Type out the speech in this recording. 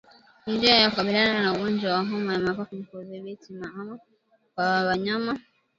Njia ya kukabiliana na ugonjwa wa homa ya mapafu ni kudhibiti kuhama kwa wanyama